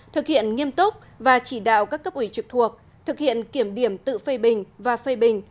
thực hiện nghiêm túc và chỉ đạo các cấp ủy trực thuộc thực hiện kiểm điểm tự phê bình và phê bình